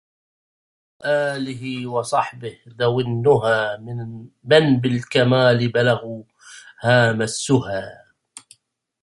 وآله وصحبه ذَوي النُهِى من بالكمال بلغوا هَامَ السُها